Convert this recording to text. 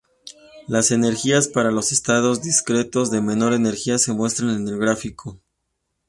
Las energías para los estados discretos de menor energía se muestran en el gráfico.